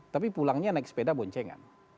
tapi pulangnya naik sepeda boncengan